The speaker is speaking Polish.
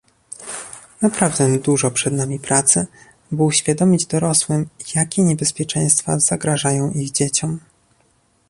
Naprawdę dużo przed nami pracy, by uświadomić dorosłym, jakie niebezpieczeństwa zagrażają ich dzieciom